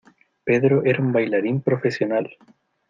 Pedro era un bailarín profesional.